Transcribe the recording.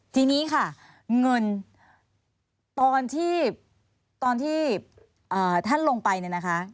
ทีนี้ค่ะเงินตอนที่ท่านลงไปนะคะ